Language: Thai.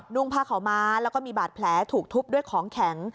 ่งผ้าขาวม้าแล้วก็มีบาดแผลถูกทุบด้วยของแข็ง